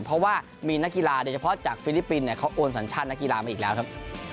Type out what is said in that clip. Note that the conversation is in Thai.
เพราะว่ามีนักกีฬาโดยเฉพาะจากฟิลิปปินส์เขาโอนสัญชาตินักกีฬามาอีกแล้วครับ